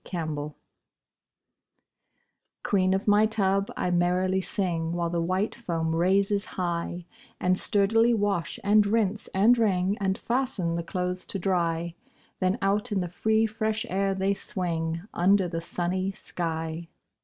8 Autoplay Queen of my tub, I merrily sing, While the white foam raises high, And sturdily wash, and rinse, and wring, And fasten the clothes to dry; Then out in the free fresh air they swing, Under the sunny sky.